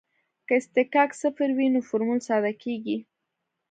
که اصطکاک صفر وي نو فورمول ساده کیږي